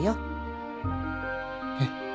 えっ？